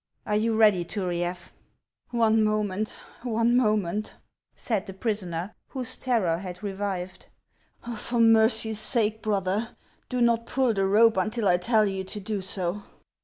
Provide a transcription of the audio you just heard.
" Are you ready, Turiaf ?"" One moment ! one moment !" said the prisoner, whose terror had revived; "for mercy's sake, brother, do not pull the rope until I tell you to do so